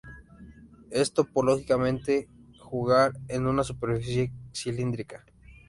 Es, topológicamente, jugar en una superficie cilíndrica.